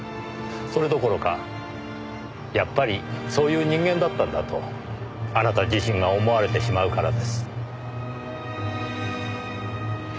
それどころか「やっぱりそういう人間だったんだ」とあなた自身が思われてしまうからです。